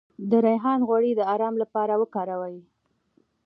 د ریحان غوړي د ارام لپاره وکاروئ